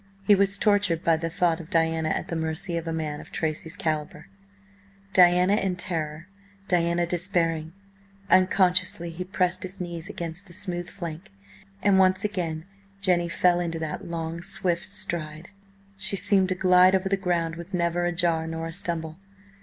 He was tortured by the thought of Diana at the mercy of a man of Tracy's calibre; Diana in terror; Diana despairing. Unconsciously he pressed his knees against the smooth flank and once more Jenny fell into that long, swift stride. She seemed to glide over the ground with never a jar nor a stumble.